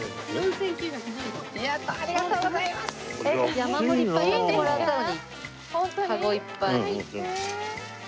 山盛りいっぱい買ってもらったのにカゴいっぱい。